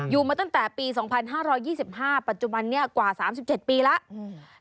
มาตั้งแต่ปี๒๕๒๕ปัจจุบันนี้กว่า๓๗ปีแล้ว